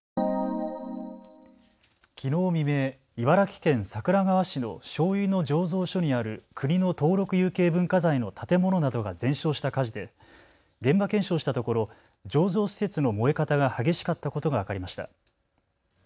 きのう未明、茨城県桜川市のしょうゆの醸造所にある国の登録有形文化財の建物などが全焼した火事で現場検証したところ醸造施設の燃え方が激しかったことが分かりました。